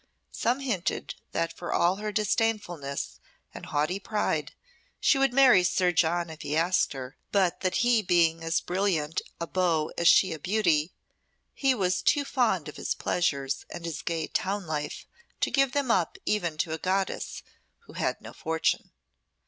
Some hinted that for all her disdainfulness and haughty pride she would marry Sir John if he asked her, but that he being as brilliant a beau as she a beauty, he was too fond of his pleasures and his gay town life to give them up even to a goddess who had no fortune.